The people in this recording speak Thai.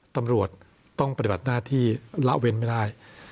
ตำรวจต้องปฏิบัติหน้าที่ละเว้นไม่ได้